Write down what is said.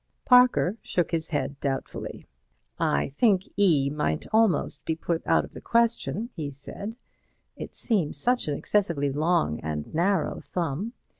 Parker shook his head doubtfully. "I think E might almost be put out of the question," he said, "it seems such an excessively long and narrow thumb.